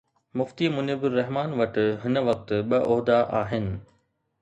مفتي منيب الرحمان وٽ هن وقت ٻه عهدا آهن.